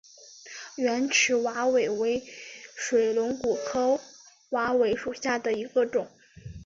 圆齿瓦韦为水龙骨科瓦韦属下的一个种。